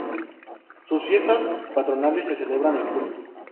Sus fiestas patronales se celebran en julio.